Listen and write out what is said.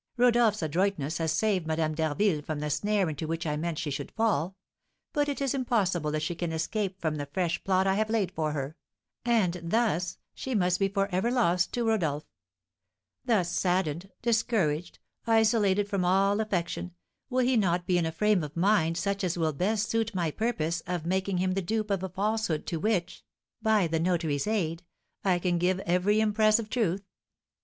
Rodolph's adroitness has saved Madame d'Harville from the snare into which I meant she should fall; but it is impossible that she can escape from the fresh plot I have laid for her, and thus she must be for ever lost to Rodolph. Thus, saddened, discouraged, isolated from all affection, will he not be in a frame of mind such as will best suit my purpose of making him the dupe of a falsehood to which, by the notary's aid, I can give every impress of truth?